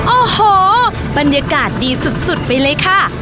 โอ้โหบรรยากาศดีสุดไปเลยค่ะ